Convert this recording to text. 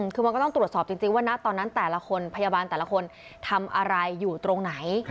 คือมันก็ต้องตรวจสอบจริงว่านะตอนนั้นแต่ละคนพยาบาลแต่ละคนทำอะไรอยู่ตรงไหน